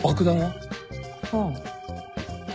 ああ。